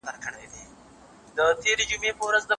چي ونه کړي یو له بل سره جنګونه